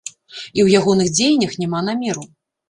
І ў ягоных дзеяннях няма намеру.